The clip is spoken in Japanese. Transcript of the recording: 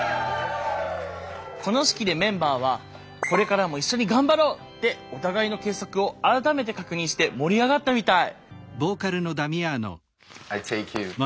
この式でメンバーはこれからも一緒に頑張ろう！ってお互いの結束を改めて確認して盛り上がったみたい。